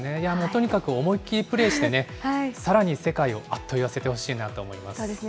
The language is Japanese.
とにかく思いっきりプレーして、さらに世界をあっと言わせてほしいなと思います。